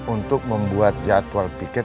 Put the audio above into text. untuk membuat jadwal piket